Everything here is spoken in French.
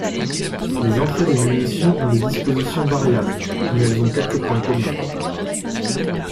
Les entrées des munitions ont des dispositions variables, mais elles ont quelques points communs.